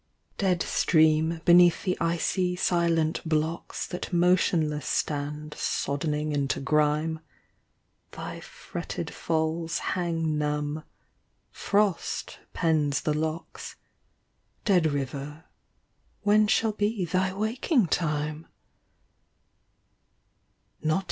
Dead stream beneath the icy silent blocks That motionless stand soddening into grime, Thy fretted l^s hang numb, frost pens the locks ; Dead river, when shall be thy waking time